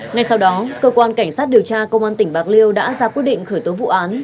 ngay sau đó cơ quan cảnh sát điều tra công an tỉnh bạc liêu đã ra quyết định khởi tố vụ án